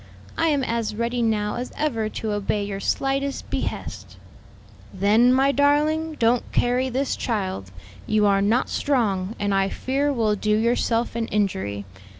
I am as ready now as ever to obey your slightest behest." "Then, my darling, don't carry this child. You are not strong, and I fear will do yourself an injury.